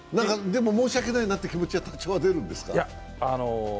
でも申し訳ないなという立場出るんですか。